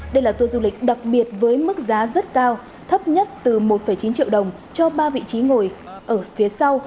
đây là tour du lịch đặc biệt với mức giá rất cao thấp nhất từ một chín triệu đồng cho ba vị trí ngồi ở phía sau